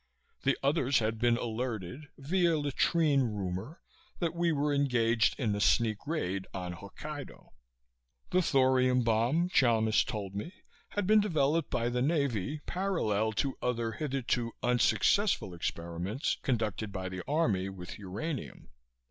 The others had been alerted, via latrine rumor, that we were engaged in a sneak raid on Hokkaido. The thorium bomb, Chalmis told me, had been developed by the Navy, parallel to other hitherto unsuccessful experiments conducted by the Army with uranium.